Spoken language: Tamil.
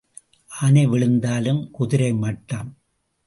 ஆனை விழுந்தாலும் குதிரை மட்டம்.